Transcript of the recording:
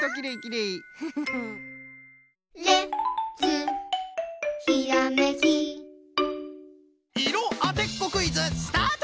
いろあてっこクイズスタート！